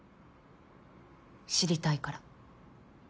知りたいから。